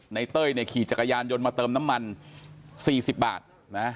เต้ยเนี่ยขี่จักรยานยนต์มาเติมน้ำมัน๔๐บาทนะ